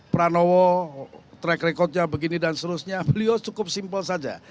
pranowo track recordnya begini dan seterusnya beliau cukup simpel saja